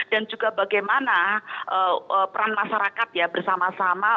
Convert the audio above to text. dan juga bagaimana peran masyarakat ya bersama sama